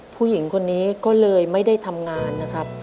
ผู้หญิงคนนี้ก็เลยไม่ได้ทำงานนะครับ